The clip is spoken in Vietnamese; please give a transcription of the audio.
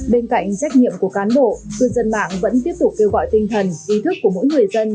bên cạnh trách nhiệm của cán bộ cư dân mạng vẫn tiếp tục kêu gọi tinh thần ý thức của mỗi người dân